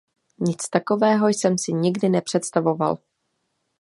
Nic takového jsem si nikdy nepředstavoval!